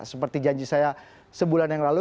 seperti janji saya sebulan yang lalu